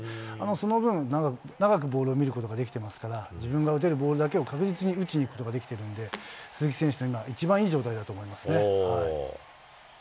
その分、長くボールを見ることができてますから、自分が打てるボールだけを確実に打ちにいくことができているんで、鈴木選手、今、一番いい状態だと思いますね。